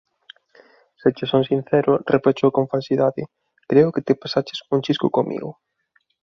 Se che son sincero _reprochou con falsidade_, creo que te pasaches un chisco comigo;